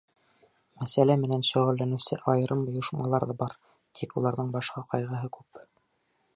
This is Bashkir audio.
Мәсьәлә менән шөғөлләнеүсе айырым ойошмалар ҙа бар, тик уларҙың башҡа ҡайғыһы күп.